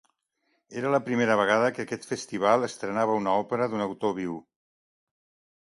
Era la primera vegada que aquest festival estrenava una òpera d'un autor viu.